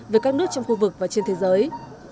với các nước trong khu vực và trên thế giới